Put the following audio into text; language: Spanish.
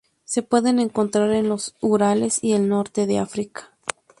Se puede encontrar en los Urales y el Norte de África.